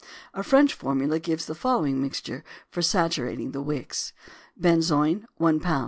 A French formula gives the following mixture for saturating the wicks: Benzoin 1 lb.